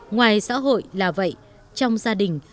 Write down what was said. ngoài xã hội là vậy trong gia đình